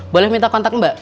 boleh minta kontak mbak